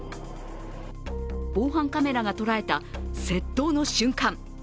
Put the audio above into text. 防犯カメラが捉えた窃盗の瞬間。